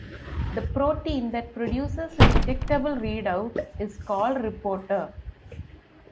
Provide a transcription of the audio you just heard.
The protein that produces a detectable readout is called "reporter".